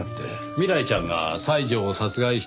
未来ちゃんが西條を殺害して逃亡。